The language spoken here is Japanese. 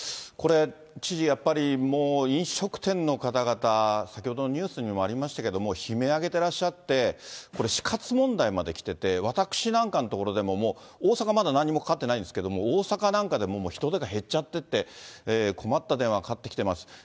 これ、知事、やっぱり、もう飲食店の方々、先ほどのニュースにもありましたけれども、悲鳴上げてらっしゃって、これ死活問題まできてて、私なんかのところでも、もう大阪、まだ何もかかってないんですけれども、大阪なんかでも人出が減っちゃってって、困った電話かかってきてます。